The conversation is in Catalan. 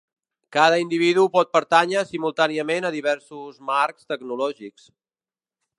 Cada individu pot pertànyer simultàniament a diversos marcs tecnològics.